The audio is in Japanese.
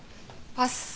パス。